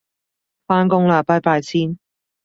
返工喇拜拜先